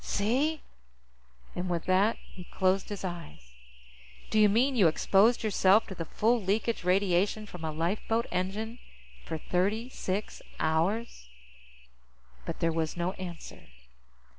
See?" And with that, he closed his eyes. "Do you mean you exposed yourself to the full leakage radiation from a lifeboat engine for thirty six hours?" But there was no answer.